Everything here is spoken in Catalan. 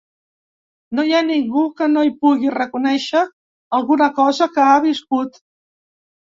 No hi ha ningú que no hi pugui reconèixer alguna cosa que ha viscut.